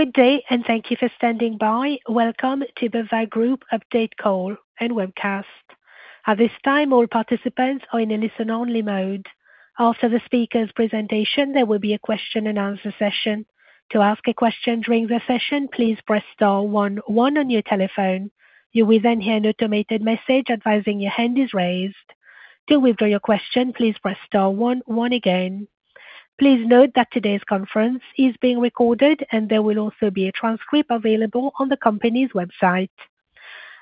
Good day, and thank you for standing by. Welcome to the BAWAG Group update call and webcast. At this time, all participants are in a listen-only mode. After the speakers' presentation, there will be a question and answer session. To ask a question during the session, please press star one one on your telephone. You will then hear an automated message advising your hand is raised. To withdraw your question, please press star one one again. Please note that today's conference is being recorded, and there will also be a transcript available on the company's website.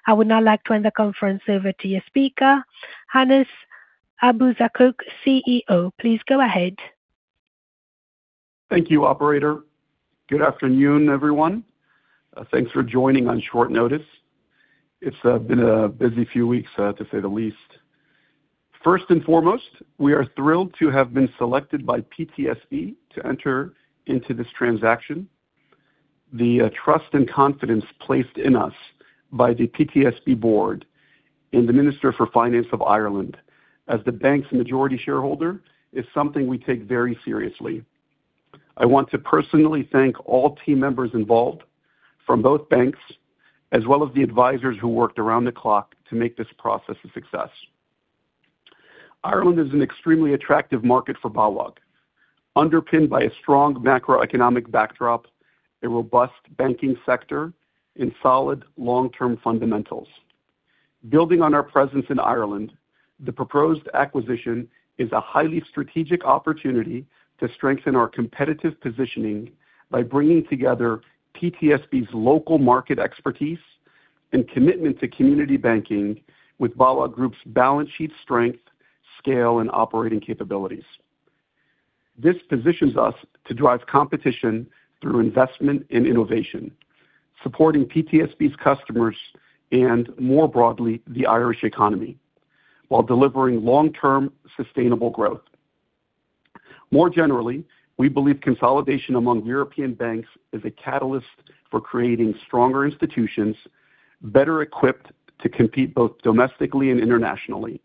I would now like to hand the conference over to your speaker, Anas Abuzaakouk, CEO. Please go ahead. Thank you, Operator. Good afternoon, everyone. Thanks for joining on short notice. It's been a busy few weeks, to say the least. First and foremost, we are thrilled to have been selected by PTSB to enter into this transaction. The trust and confidence placed in us by the PTSB Board and the Minister for Finance of Ireland as the bank's majority shareholder is something we take very seriously. I want to personally thank all team members involved from both banks, as well as the advisors who worked around the clock to make this process a success. Ireland is an extremely attractive market for BAWAG, underpinned by a strong macroeconomic backdrop, a robust banking sector, and solid long-term fundamentals. Building on our presence in Ireland, the proposed acquisition is a highly strategic opportunity to strengthen our competitive positioning by bringing together PTSB's local market expertise and commitment to community banking with BAWAG Group's balance sheet strength, scale, and operating capabilities. This positions us to drive competition through investment in innovation, supporting PTSB's customers and, more broadly, the Irish economy while delivering long-term sustainable growth. More generally, we believe consolidation among European banks is a catalyst for creating stronger institutions, better equipped to compete both domestically and internationally.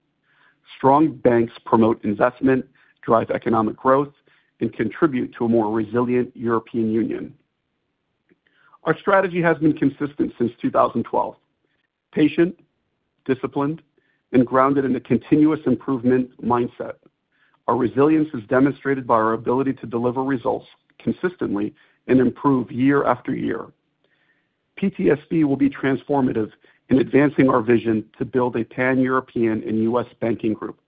Strong banks promote investment, drive economic growth, and contribute to a more resilient European Union. Our strategy has been consistent since 2012, patient, disciplined, and grounded in a continuous improvement mindset. Our resilience is demonstrated by our ability to deliver results consistently and improve year after year. PTSB will be transformative in advancing our vision to build a pan-European and U.S. banking group.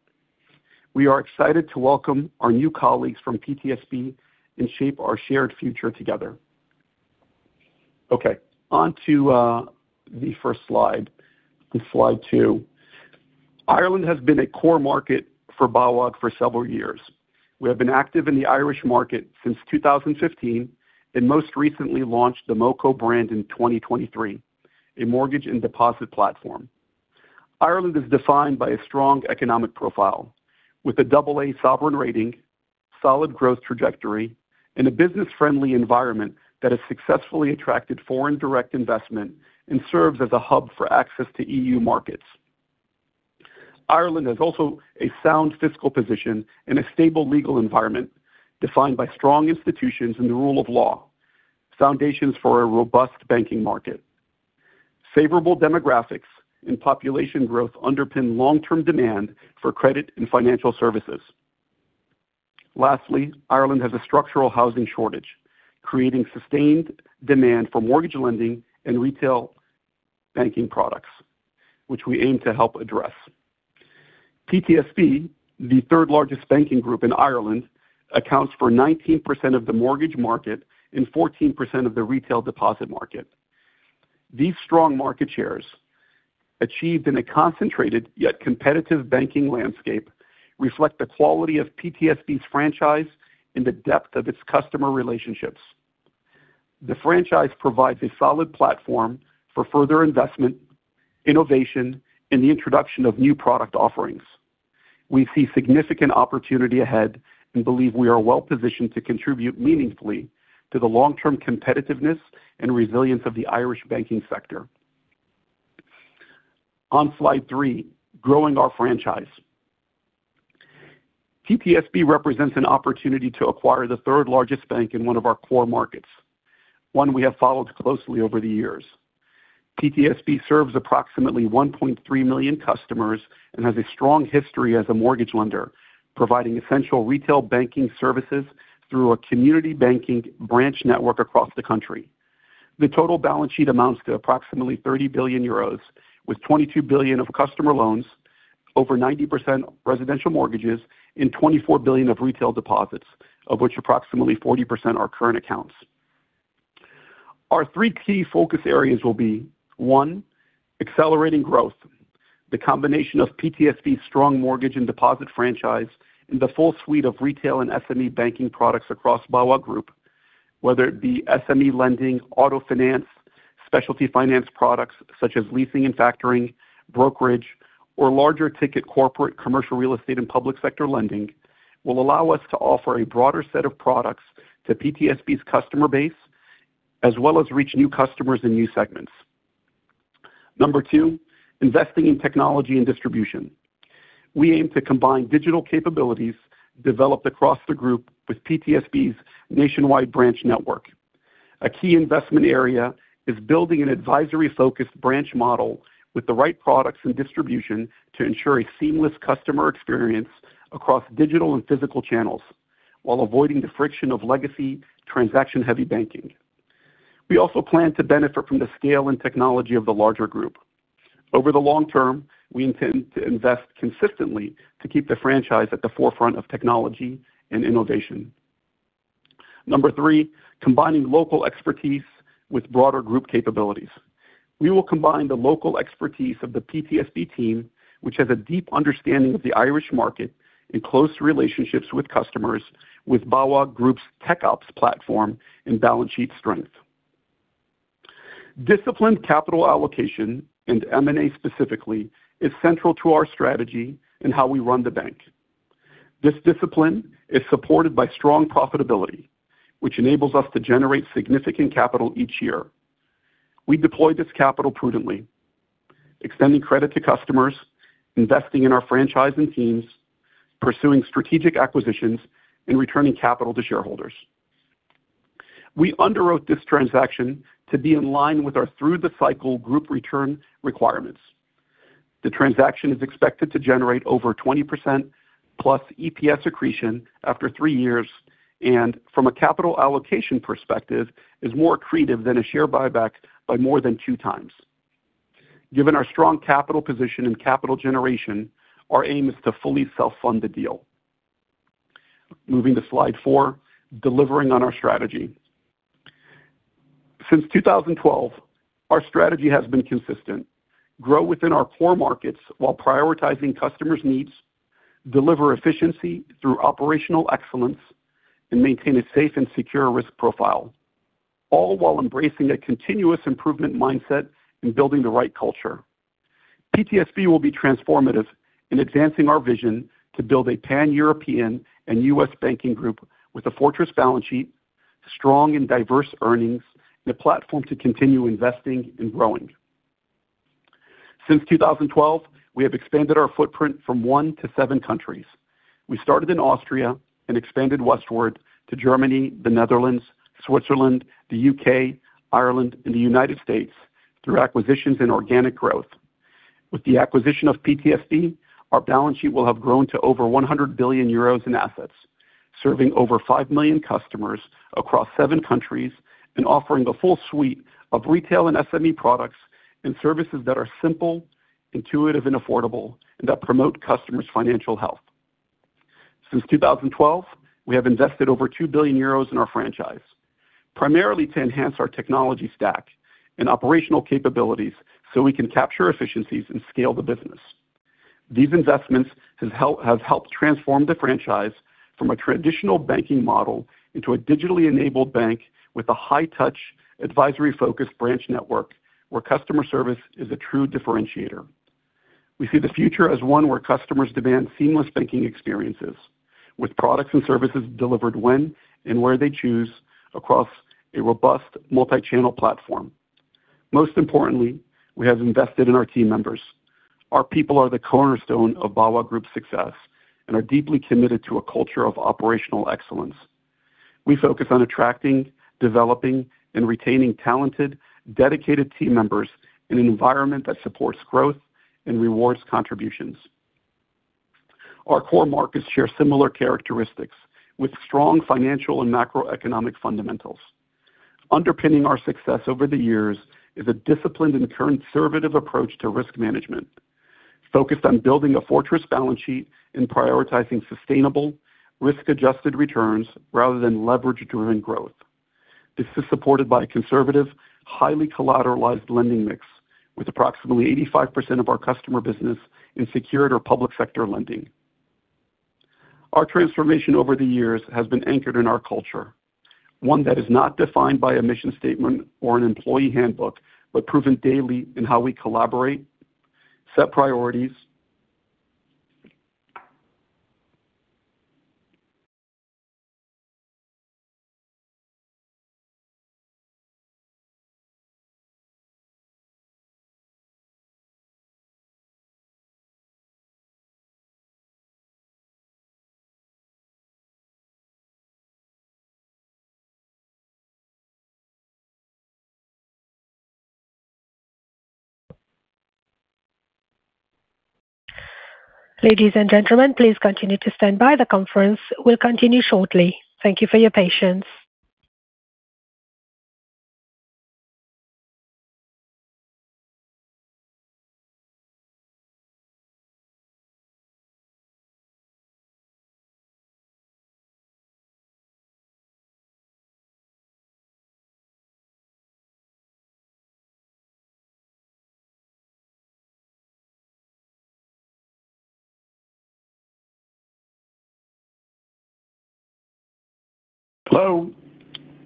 We are excited to welcome our new colleagues from PTSB and shape our shared future together. Okay, on to the first slide two. Ireland has been a core market for BAWAG for several years. We have been active in the Irish market since 2015 and most recently launched the MoCo brand in 2023, a mortgage and deposit platform. Ireland is defined by a strong economic profile with an AA sovereign rating, solid growth trajectory, and a business-friendly environment that has successfully attracted foreign direct investment and serves as a hub for access to EU markets. Ireland has also a sound fiscal position and a stable legal environment defined by strong institutions and the rule of law, foundations for a robust banking market. Favorable demographics and population growth underpin long-term demand for credit and financial services. Lastly, Ireland has a structural housing shortage, creating sustained demand for mortgage lending and retail banking products, which we aim to help address. PTSB, the third-largest banking group in Ireland, accounts for 19% of the mortgage market and 14% of the retail deposit market. These strong market shares, achieved in a concentrated yet competitive banking landscape, reflect the quality of PTSB's franchise and the depth of its customer relationships. The franchise provides a solid platform for further investment, innovation, and the introduction of new product offerings. We see significant opportunity ahead and believe we are well-positioned to contribute meaningfully to the long-term competitiveness and resilience of the Irish banking sector. On slide three, growing our franchise. PTSB represents an opportunity to acquire the third-largest bank in one of our core markets, one we have followed closely over the years. PTSB serves approximately 1.3 million customers and has a strong history as a mortgage lender, providing essential retail banking services through a community banking branch network across the country. The total balance sheet amounts to approximately 30 billion euros, with 22 billion of customer loans, over 90% residential mortgages, and 24 billion of retail deposits, of which approximately 40% are current accounts. Our three key focus areas will be, one, accelerating growth. The combination of PTSB's strong mortgage and deposit franchise and the full suite of retail and SME banking products across BAWAG Group, whether it be SME lending, auto finance, specialty finance products such as leasing and factoring, brokerage, or larger-ticket corporate commercial real estate and public sector lending will allow us to offer a broader set of products to PTSB's customer base, as well as reach new customers and new segments. Number two, investing in technology and distribution. We aim to combine digital capabilities developed across the group with PTSB's nationwide branch network. A key investment area is building an advisory-focused branch model with the right products and distribution to ensure a seamless customer experience across digital and physical channels while avoiding the friction of legacy transaction-heavy banking. We also plan to benefit from the scale and technology of the larger group. Over the long term, we intend to invest consistently to keep the franchise at the forefront of technology and innovation. Number three, combining local expertise with broader group capabilities. We will combine the local expertise of the PTSB team, which has a deep understanding of the Irish market and close relationships with customers, with BAWAG Group's Tech Ops platform and balance sheet strength. Disciplined capital allocation and M&A specifically is central to our strategy and how we run the bank. This discipline is supported by strong profitability, which enables us to generate significant capital each year. We deploy this capital prudently, extending credit to customers, investing in our franchise and teams, pursuing strategic acquisitions, and returning capital to shareholders. We underwrote this transaction to be in line with our through-the-cycle group return requirements. The transaction is expected to generate over twenty percent plus EPS accretion after three years, and from a capital allocation perspective, is more accretive than a share buyback by more than two times. Given our strong capital position and capital generation, our aim is to fully self-fund the deal. Moving to slide four, delivering on our strategy. Since 2012, our strategy has been consistent. Grow within our core markets while prioritizing customers' needs, deliver efficiency through operational excellence, and maintain a safe and secure risk profile, all while embracing a continuous improvement mindset and building the right culture. PTSB will be transformative in advancing our vision to build a Pan-European and US banking group with a fortress balance sheet, strong and diverse earnings, and a platform to continue investing and growing. Since 2012, we have expanded our footprint from one to seven countries. We started in Austria and expanded westward to Germany, the Netherlands, Switzerland, the U.K., Ireland, and the United States through acquisitions and organic growth. With the acquisition of PTSB, our balance sheet will have grown to over 100 billion euros in assets, serving over 5 million customers across seven countries and offering a full suite of retail and SME products and services that are simple, intuitive and affordable, and that promote customers' financial health. Since 2012, we have invested over 2 billion euros in our franchise, primarily to enhance our technology stack and operational capabilities so we can capture efficiencies and scale the business. These investments have helped transform the franchise from a traditional banking model into a digitally enabled bank with a high-touch, advisory-focused branch network where customer service is a true differentiator. We see the future as one where customers demand seamless banking experiences with products and services delivered when and where they choose across a robust multi-channel platform. Most importantly, we have invested in our team members. Our people are the cornerstone of BAWAG Group's success and are deeply committed to a culture of operational excellence. We focus on attracting, developing, and retaining talented, dedicated team members in an environment that supports growth and rewards contributions. Our core markets share similar characteristics with strong financial and macroeconomic fundamentals. Underpinning our success over the years is a disciplined and conservative approach to risk management, focused on building a fortress balance sheet and prioritizing sustainable risk-adjusted returns rather than leverage-driven growth. This is supported by a conservative, highly collateralized lending mix with approximately 85% of our customer business in secured or public sector lending. Our transformation over the years has been anchored in our culture, one that is not defined by a mission statement or an employee handbook, but proven daily in how we collaborate, set priorities. Ladies and gentlemen, please continue to stand by. The conference will continue shortly. Thank you for your patience.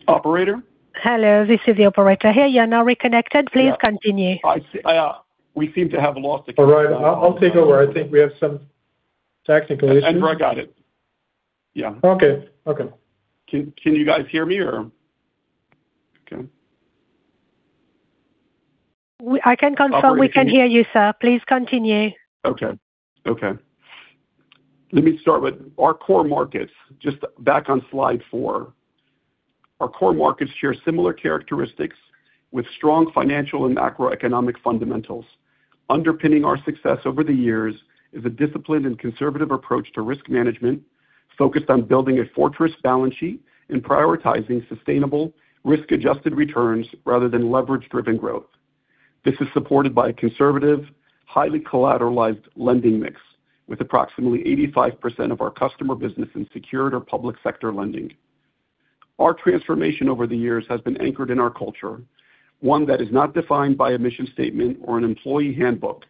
Hello, Operator. Hello, this is the operator here. You're now reconnected. Please continue. We seem to have lost again. All right. I'll take over. I think we have some technical issues. Enver got it. Yeah. Okay. Can you guys hear me? Okay. I can confirm we can hear you, sir. Please continue. Let me start with our core markets, just back on slide four. Our core market similar characteristics with strong financial and macroeconomic fundamentals underpinning our success over the years is a disciplined and conservative approach to risk management focused on building a fortress balance sheet and prioritizing sustainable risk-adjusted returns rather than leverage-driven growth. This is supported by a conservative, highly collateralized lending mix with approximately 85 % of our customer business in secured or public sector lending. Our transformation over the years has been anchored in our culture, one that is not defined by a mission statement or an employee handbook,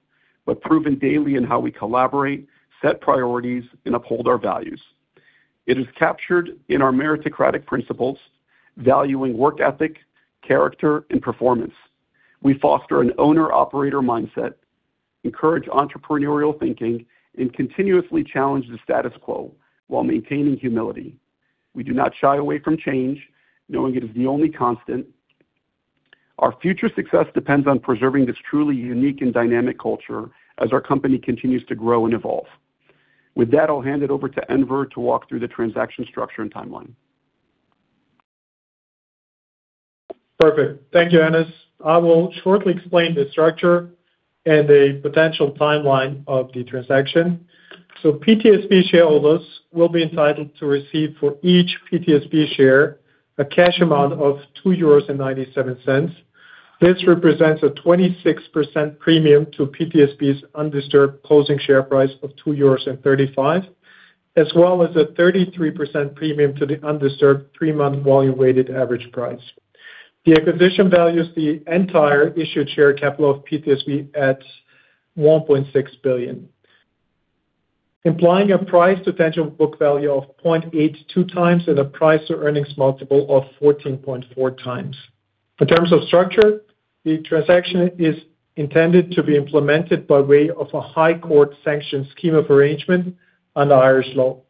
but proven daily in how we collaborate, set priorities, and uphold our values.It is captured in our meritocratic principles, valuing work ethic, character, and performance. We foster an owner-operator mindset, encourage entrepreneurial thinking, and continue challenge of the status quo while maintaining humility. We do not shy away from change, knowing it is the only constant. Our future success depends on preserving this truly unique and dynamic culture as our company continues to grow and evolve. With that, I'll hand it over to Enver to walk through the transaction structure and timeline. Perfect. Thank you, Anas. I will shortly explain the structure and the potential timeline of the transaction. PTSB shareholders will be entitled to receive for each PTSB share a cash amount of 2.97 euros. This represents a 26% premium to PTSB's undisturbed closing share price of 2.35 euros, as well as a 33% premium to the undisturbed three-month volume-weighted average price. The acquisition values the entire issued share capital of PTSB at 1.6 billion, implying a price to tangible book value of 0.82x and a price to earnings multiple of 14.4x. In terms of structure, the transaction is intended to be implemented by way of a High Court sanctioned scheme of arrangement under Irish law.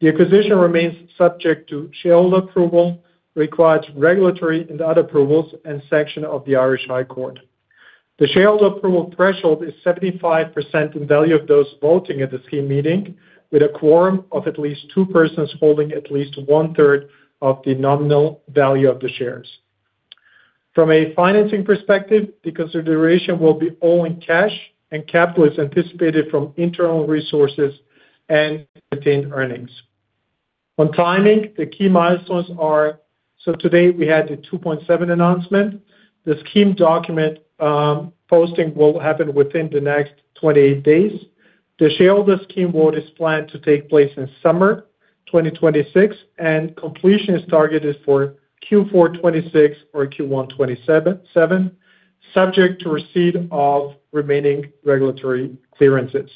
The acquisition remains subject to shareholder approval, requires regulatory and other approvals, and sanction of the Irish High Court. The shareholder approval threshold is 75% in value of those voting at the scheme meeting, with a quorum of at least two persons holding at least one-third of the nominal value of the shares. From a financing perspective, the consideration will be all in cash and capital is anticipated from internal resources and retained earnings. On timing, the key milestones are. Today we had the Rule 2.7 announcement. The scheme document posting will happen within the next 28 days. The shareholder scheme vote is planned to take place in summer 2026, and completion is targeted for Q4 2026 or Q1 2027, subject to receipt of remaining regulatory clearances.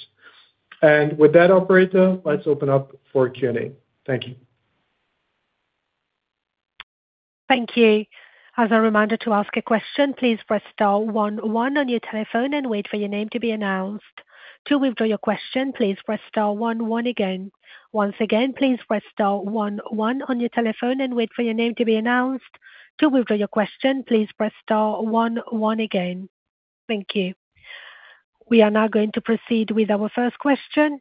With that, operator, let's open up for Q&A. Thank you. Thank you. As a reminder to ask a question, please press star one one on your telephone and wait for your name to be announced. To withdraw your question, please press star one one again. Once again, please press star one one on your telephone and wait for your name to be announced. To withdraw your question, please press star one one again. Thank you. We are now going to proceed with our first question.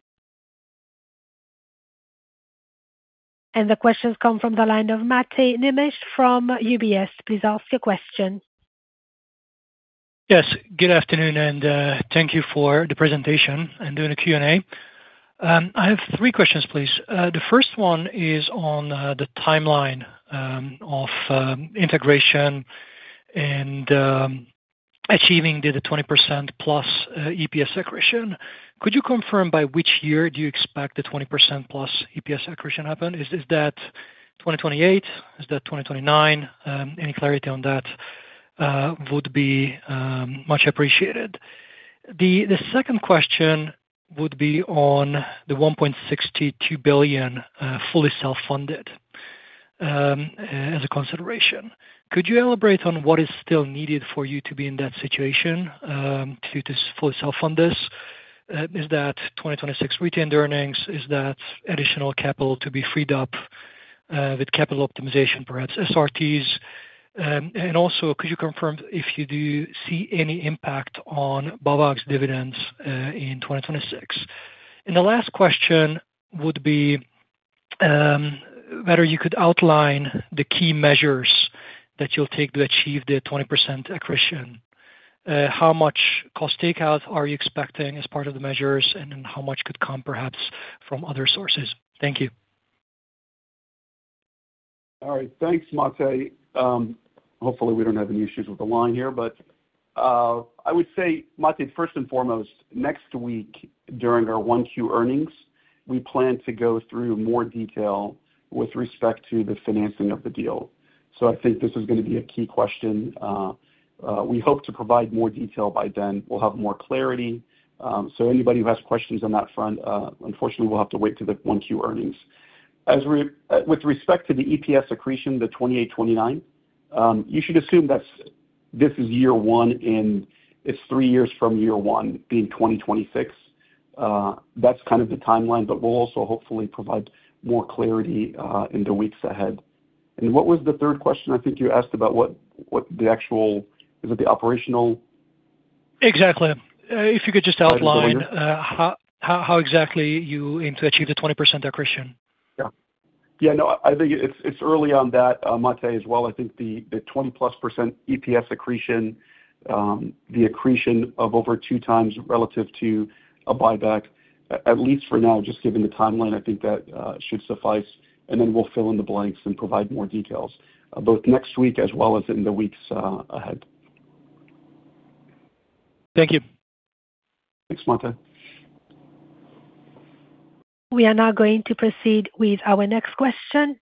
The question's come from the line of Mate Nemes from UBS. Please ask your question. Yes. Good afternoon, and thank you for the presentation and doing a Q&A. I have three questions, please. The first one is on the timeline of integration and achieving the 20%+ EPS accretion. Could you confirm by which year do you expect the 20%+ EPS accretion happen? Is that 2028? Is that 2029? Any clarity on that would be much appreciated. The second question would be on the 1.62 billion fully self-funded as a consideration. Could you elaborate on what is still needed for you to be in that situation to just fully self-fund this? Is that 2026 retained earnings? Is that additional capital to be freed up with capital optimization, perhaps SRTs? Could you confirm if you do see any impact on BAWAG's dividends in 2026? The last question would be whether you could outline the key measures that you'll take to achieve the 20% accretion. How much cost takeout are you expecting as part of the measures, and then how much could come, perhaps from other sources? Thank you. All right. Thanks, Mate. Hopefully, we don't have any issues with the line here. I would say, Mate, first and foremost, next week during our Q1 earnings, we plan to go through more detail with respect to the financing of the deal. I think this is going to be a key question. We hope to provide more detail by then. We'll have more clarity. Anybody who has questions on that front, unfortunately, we'll have to wait till the Q1 earnings. With respect to the EPS accretion, the 2028-2029, you should assume this is year one, and it's three years from year one being 2026. That's kind of the timeline, but we'll also hopefully provide more clarity in the weeks ahead. What was the third question? I think you asked about what the operational? Exactly. If you could just outline how exactly you aim to achieve the 20% accretion? Yeah, no, I think it's early on that, Mate, as well. I think the 20%+ EPS accretion, the accretion of over 2x relative to a buyback, at least for now, just given the timeline, I think that should suffice. We'll fill in the blanks and provide more details, both next week as well as in the weeks ahead. Thank you. Thanks, Mate. We are now going to proceed with our next question.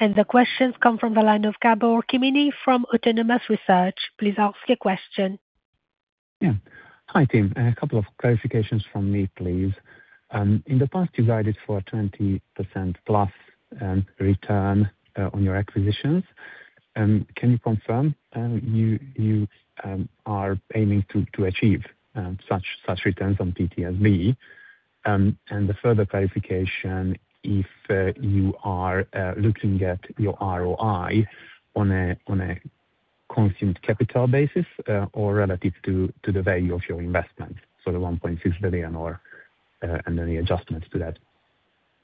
The questions come from the line of Gabor Kemeny from Autonomous Research. Please ask your question. Yeah. Hi, team. A couple of clarifications from me, please. In the past, you guided for a 20%+ return on your acquisitions. Can you confirm you are aiming to achieve such returns on PTSB? The further clarification, if you are looking at your ROI on a consumed capital basis or relative to the value of your investment, so the 1.6 billion and any adjustments to that.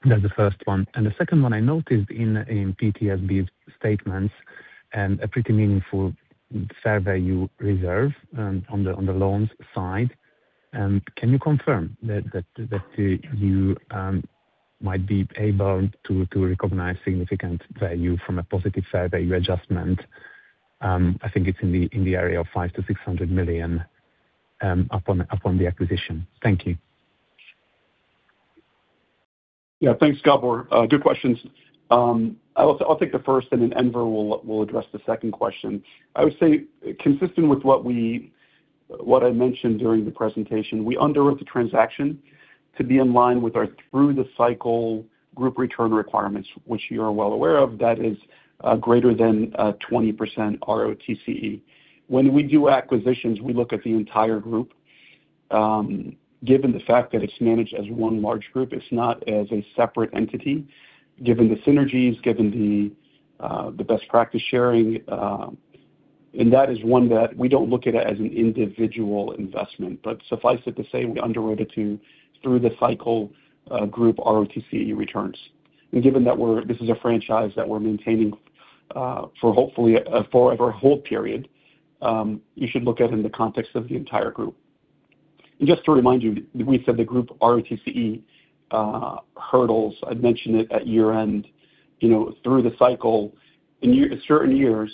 That's the first one. The second one, I noticed in PTSB's statements, a pretty meaningful fair value reserve on the loans side. Can you confirm that you might be able to recognize significant value from a positive fair value adjustment? I think it's in the area of 500 million-600 million upon the acquisition. Thank you. Yeah, thanks, Gabor. Good questions. I'll take the first, and then Enver will address the second question. I would say consistent with what I mentioned during the presentation, we underwrote the transaction to be in line with our through-the-cycle group return requirements, which you are well aware of. That is greater than a 20% ROTCE. When we do acquisitions, we look at the entire group. Given the fact that it's managed as one large group, it's not as a separate entity, given the synergies, given the best practice sharing, and that is one that we don't look at it as an individual investment. Suffice it to say, we underwrote it to through-the-cycle group ROTCE returns. Given that this is a franchise that we're maintaining for hopefully a forever hold period, you should look at it in the context of the entire group. Just to remind you, we said the Group ROTCE hurdles, I'd mentioned it at year-end, through the cycle. In certain years,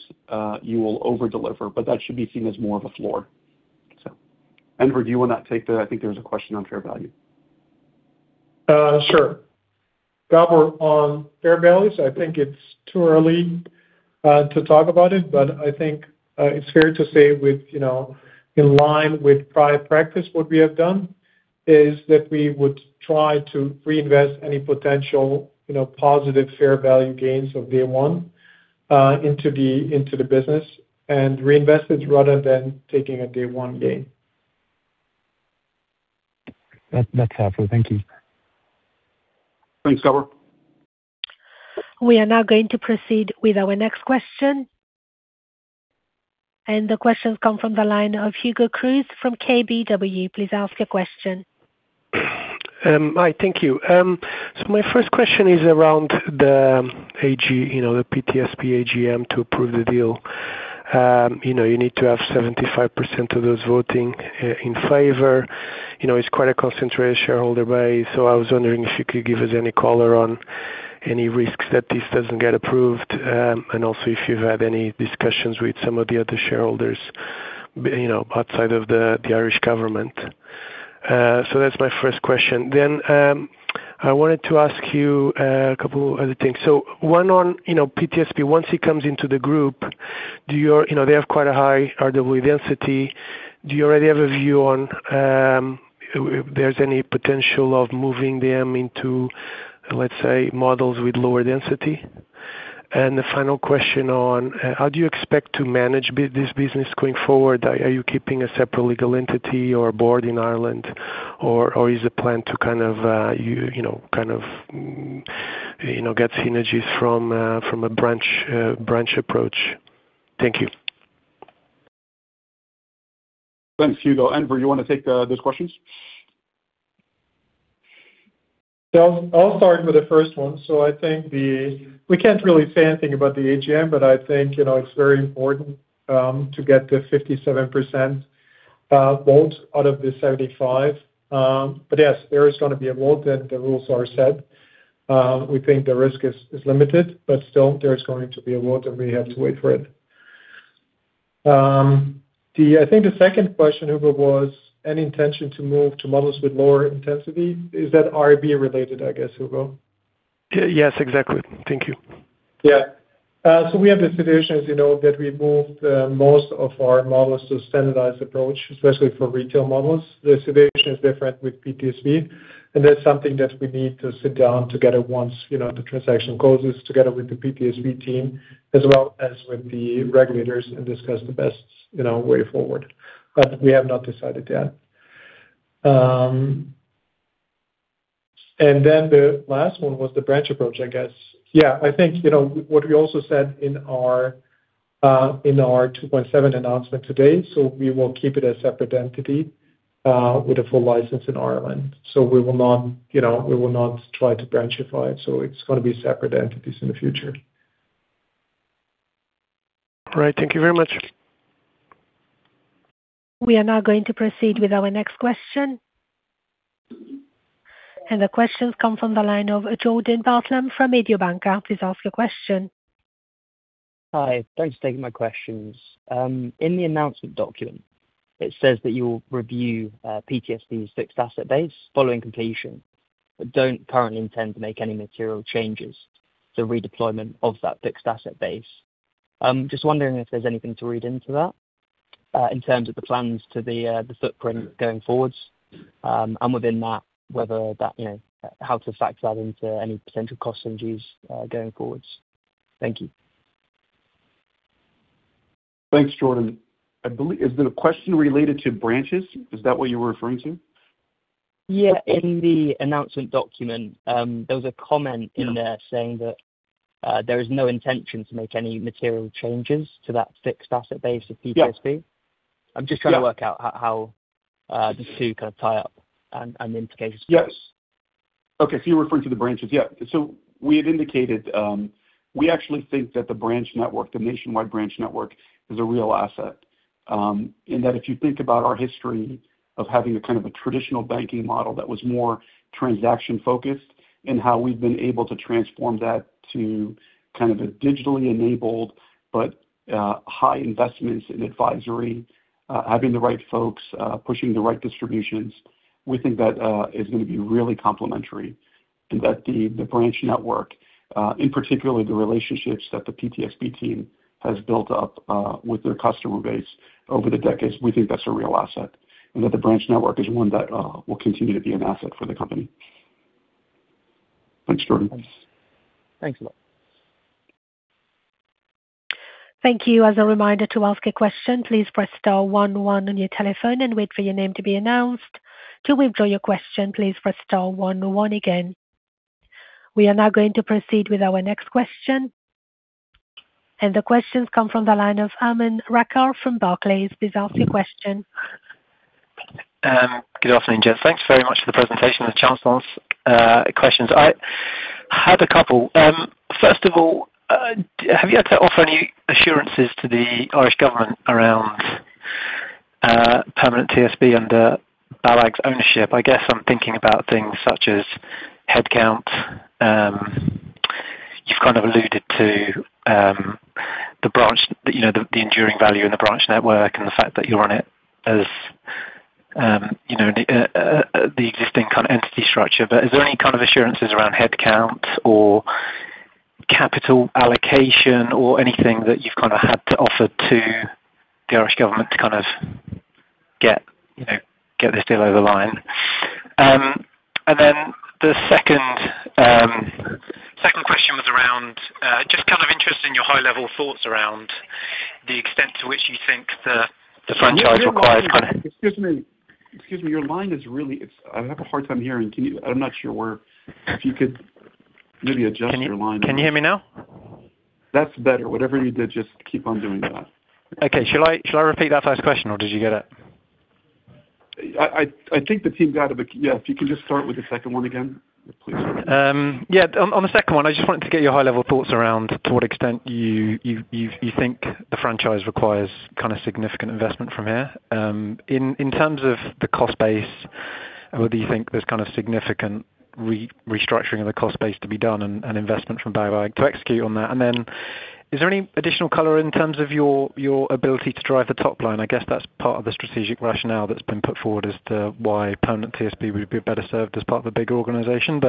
you will over-deliver, but that should be seen as more of a floor. Enver, do you want to take that? I think there was a question on fair value. Sure. Gabor, on fair values, I think it's too early to talk about it, but I think it's fair to say in line with prior practice, what we have done is that we would try to reinvest any potential positive fair value gains of day one into the business, and reinvest it rather than taking a day one gain. That's helpful. Thank you. Thanks, Gabor. We are now going to proceed with our next question. The question's come from the line of Hugo Cruz from KBW. Please ask your question. Hi, thank you. My first question is around the PTSB AGM to approve the deal. You need to have 75% of those voting in favor. It's quite a concentrated shareholder base. I was wondering if you could give us any color on any risks that this doesn't get approved and also if you've had any discussions with some of the other shareholders outside of the Irish Government. That's my first question. I wanted to ask you a couple other things. One on PTSB, once it comes into the group, they have quite a high RWA density. Do you already have a view on if there's any potential of moving them into, let's say, models with lower density? The final question on how do you expect to manage this business going forward? Are you keeping a separate legal entity or board in Ireland, or is the plan to kind of get synergies from a branch approach? Thank you. Thanks, Hugo. Enver, you want to take those questions? I'll start with the first one. I think we can't really say anything about the AGM, but I think it's very important to get the 57% vote out of the 75. Yes, there is going to be a vote that the rules are set. We think the risk is limited, but still there is going to be a vote, and we have to wait for it. I think the second question, Hugo, was any intention to move to models with lower intensity? Is that IRB-related, I guess, Hugo? Yes, exactly. Thank you. Yeah. We have the situation, as you know, that we moved most of our models to a standardized approach, especially for retail models. The situation is different with PTSB, and that's something that we need to sit down together once the transaction closes, together with the PTSB team, as well as with the regulators, and discuss the best way forward. We have not decided yet. The last one was the branch approach, I guess. Yeah, I think what we also said in our 2.7 announcement today, so we will keep it a separate entity with a full license in Ireland. We will not try to branchify it. It's going to be separate entities in the future. Right. Thank you very much. We are now going to proceed with our next question. The question comes from the line of Jordan Bartlam from Mediobanca. Please ask your question. Hi, thanks for taking my questions. In the announcement document, it says that you will review PTSB's fixed asset base following completion, but don't currently intend to make any material changes to redeployment of that fixed asset base. I'm just wondering if there's anything to read into that in terms of the plans to the footprint going forwards, and within that, how to factor that into any potential cost synergies going forwards. Thank you. Thanks, Jordan. Is the question related to branches? Is that what you were referring to? Yeah. In the announcement document, there was a comment in there saying that there is no intention to make any material changes to that fixed asset base of PTSB. Yeah. I'm just trying to work out how the two kind of tie up and the implications. Yes. Okay. You're referring to the branches. Yeah. We had indicated, we actually think that the branch network, the nationwide branch network, is a real asset in that if you think about our history of having a kind of a traditional banking model that was more transaction-focused and how we've been able to transform that to kind of a digitally enabled, but high investments in advisory, having the right folks, pushing the right distributions. We think that is going to be really complementary and that the branch network, in particular, the relationships that the PTSB team has built up with their customer base over the decades, we think that's a real asset, and that the branch network is one that will continue to be an asset for the company. Thanks, Jordan. Thanks a lot. Thank you. As a reminder to ask a question, please press star one one on your telephone and wait for your name to be announced. To withdraw your question, please press star one one again. We are now going to proceed with our next question. The question comes from the line of Aman Rakkar from Barclays. Please ask your question. Good afternoon, gents. Thanks very much for the presentation. Questions, I had a couple. First of all, have you had to offer any assurances to the Irish government around Permanent TSB under BAWAG's ownership? I guess I'm thinking about things such as headcount. You've kind of alluded to the enduring value in the branch network and the fact that you run it as the existing kind of entity structure. Is there any kind of assurances around headcount or capital allocation or anything that you've kind of had to offer to the Irish government to kind of get this deal over the line? The second question was around just kind of interested in your high-level thoughts around the extent to which you think the franchise requires. Excuse me. Your line is really, I have a hard time hearing. I'm not sure where, if you could maybe adjust your line. Can you hear me now? That's better. Whatever you did, just keep on doing that. Okay. Shall I repeat that first question, or did you get it? I think the team got it, but yeah, if you can just start with the second one again, please. Yeah. On the second one, I just wanted to get your high-level thoughts around to what extent you think the franchise requires kind of significant investment from here. In terms of the cost base, do you think there's kind of significant restructuring of the cost base to be done and investment from BAWAG to execute on that? Is there any additional color in terms of your ability to drive the top line? I guess that's part of the strategic rationale that's been put forward as to why Permanent TSB would be better served as part of a bigger organization.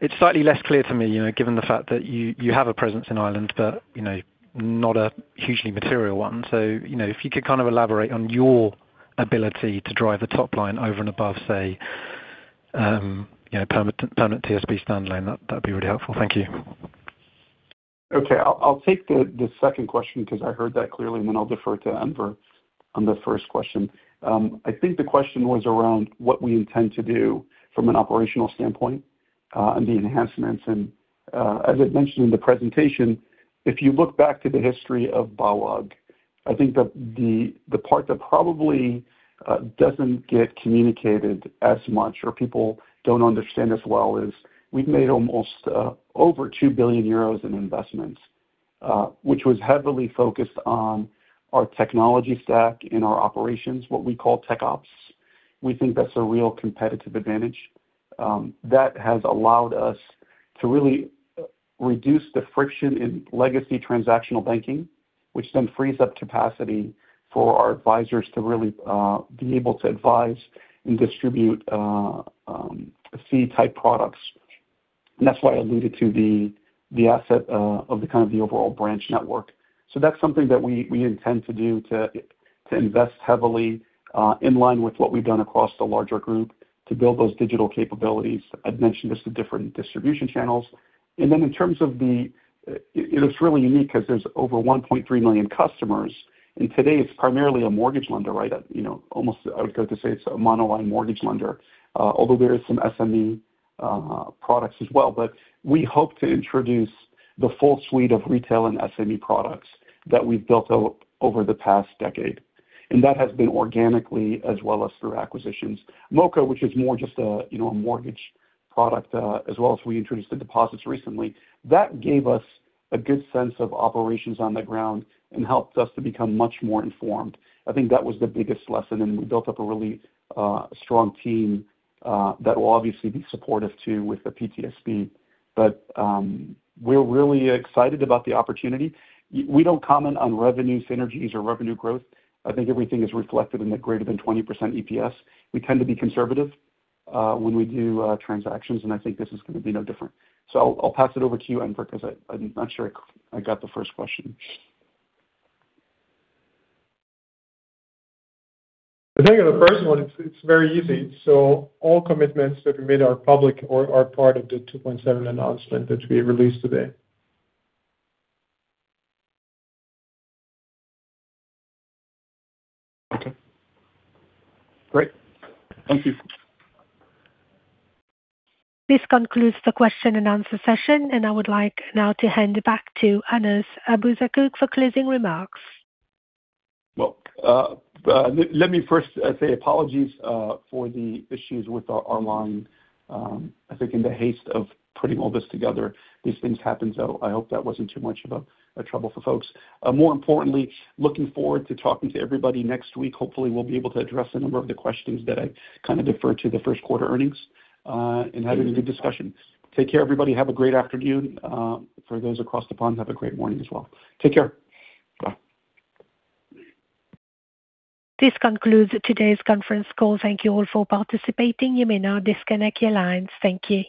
It's slightly less clear to me, given the fact that you have a presence in Ireland, but not a hugely material one. If you could kind of elaborate on your ability to drive the top line over and above, say, Permanent TSB standalone, that'd be really helpful. Thank you. Okay. I'll take the second question because I heard that clearly, and then I'll defer to Enver on the first question. I think the question was around what we intend to do from an operational standpoint, and the enhancements. As I mentioned in the presentation, if you look back to the history of BAWAG, I think that the part that probably doesn't get communicated as much or people don't understand as well is we've made almost over 2 billion euros in investments which was heavily focused on our technology stack and our operations, what we call Tech Ops. We think that's a real competitive advantage. That has allowed us to really reduce the friction in legacy transactional banking, which then frees up capacity for our advisors to really be able to advise and distribute fee-type products. That's why I alluded to the asset of the kind of the overall branch network. That's something that we intend to do to invest heavily in line with what we've done across the larger group to build those digital capabilities. I'd mentioned this to different distribution channels. It looks really unique because there's over 1.3 million customers, and today it's primarily a mortgage lender. Almost, I would go to say it's a monoline mortgage lender, although there is some SME products as well. We hope to introduce the full suite of retail and SME products that we've built over the past decade. That has been organically as well as through acquisitions. MoCo, which is more just a mortgage product, as well as we introduced the deposits recently. That gave us a good sense of operations on the ground and helped us to become much more informed. I think that was the biggest lesson, and we built up a really strong team, that will obviously be supportive too with the PTSB. We're really excited about the opportunity. We don't comment on revenue synergies or revenue growth. I think everything is reflected in the greater than 20% EPS. We tend to be conservative when we do transactions, and I think this is going to be no different. I'll pass it over to you, Enver, because I'm not sure I got the first question. I think on the first one, it's very easy. All commitments that we made are public or are part of the 2.7 announcement that we released today. Okay. Great. Thank you. This concludes the question and answer session, and I would like now to hand it back to Anas Abuzaakouk for closing remarks. Well, let me first say apologies for the issues with our line. I think in the haste of putting all this together, these things happen. I hope that wasn't too much of a trouble for folks. More importantly, looking forward to talking to everybody next week. Hopefully, we'll be able to address a number of the questions that I kind of deferred to the first quarter earnings, and having a good discussion. Take care, everybody. Have a great afternoon. For those across the pond, have a great morning as well. Take care. Bye. This concludes today's conference call. Thank you all for participating. You may now disconnect your lines. Thank you.